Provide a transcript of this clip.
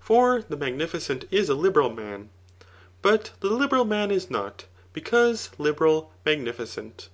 For the magnificent is a liberal man ; but the liberal man is not, because liberal, magnificent.